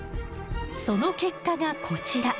その結果がこちら。